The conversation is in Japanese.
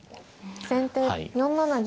先手４七銀。